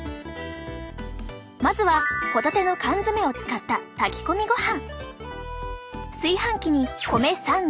まずはホタテの缶詰を使った炊き込みご飯。